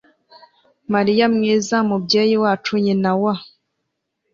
mariya mwiza, mubyeyi wacu, nyina wa